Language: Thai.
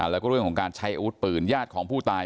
แล้วก็เรื่องของการใช้อาวุธปืนญาติของผู้ตาย